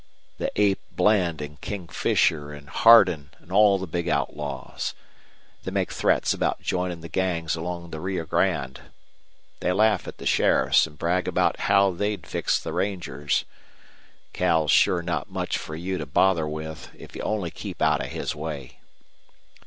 They ape Bland an' King Fisher an' Hardin an' all the big outlaws. They make threats about joinin' the gangs along the Rio Grande. They laugh at the sheriffs an' brag about how they'd fix the rangers. Cal's sure not much for you to bother with, if you only keep out of his way."